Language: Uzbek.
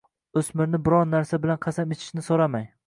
O‘smirni biron narsa bilan qasam ichishini so‘ramang.